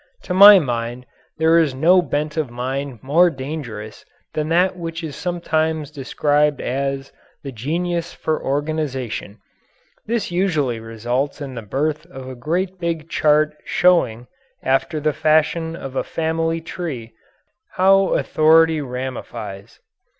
To my mind there is no bent of mind more dangerous than that which is sometimes described as the "genius for organization." This usually results in the birth of a great big chart showing, after the fashion of a family tree, how authority ramifies.